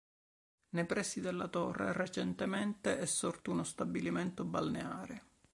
Nei pressi della torre recentemente è sorto uno stabilimento balneare.